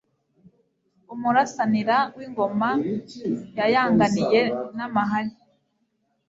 Umurasanira w'ingoma Yayanganiye n'amahari,